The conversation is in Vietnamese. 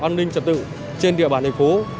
an ninh trật tự trên địa bàn thành phố